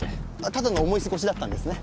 ただの思い過ごしだったんですね？